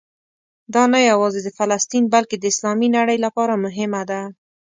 دا نه یوازې د فلسطین بلکې د اسلامي نړۍ لپاره مهمه ده.